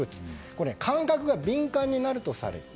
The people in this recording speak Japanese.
これ、感覚が敏感になるとされる。